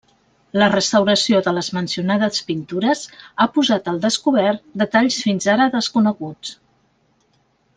La restauració de les mencionades pintures ha posat al descobert detalls fins ara desconeguts.